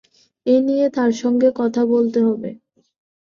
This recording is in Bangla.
এ নিয়ে তাঁর সঙ্গে কথা বলতে হবে।